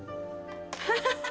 ハハハ。